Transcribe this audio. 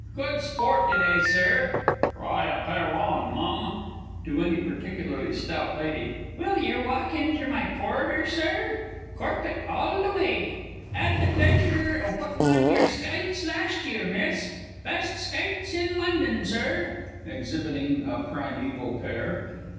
Good Sport to day, Sir! Try a pair on, Mum! (to any particularly stout Lady). Will yer walk inter my porler, Sir? corpet all the w'y! 'Ad the pleasure o' puttin' on your skites last year, Miss! Best skates in London, Sir! [_Exhibiting a primæval pair.